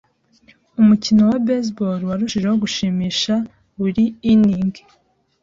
Umukino wa baseball warushijeho gushimisha buri inning.